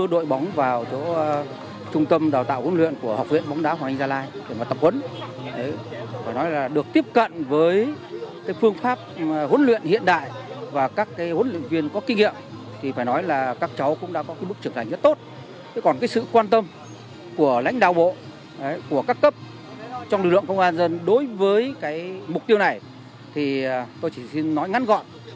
đánh đào bộ của các cấp trong lực lượng công an nhân dân đối với mục tiêu này tôi chỉ xin nói ngắn gọn